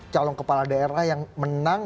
calon kepala daerah yang menang